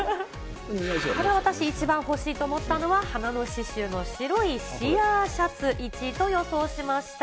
私、一番欲しいと思ったのは花の刺しゅうの白いシアーシャツ、１位と予想しました。